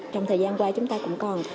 trong thời gian qua chúng ta cũng còn